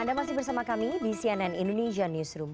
anda masih bersama kami di cnn indonesia newsroom